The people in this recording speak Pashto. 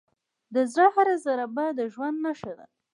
د زړه هره ضربه د ژوند نښه ده.